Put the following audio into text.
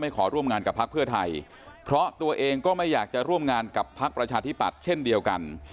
ขอร่วมงานกับพักเพื่อไทยเพราะตัวเองก็ไม่อยากจะร่วมงานกับพักประชาธิปัตย์เช่นเดียวกัน